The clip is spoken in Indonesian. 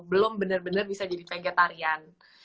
belum bener bener bisa jadi vegetarian